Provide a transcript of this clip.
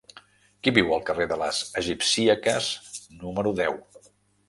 Qui viu al carrer de les Egipcíaques número deu?